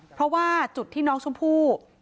เพราะว่าจุดที่น้องชมพู่